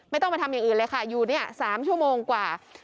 ไม่ต้องไปทำอย่างอื่นเลยค่ะอยู่เนี่ย๓ชั่วโมงกว่า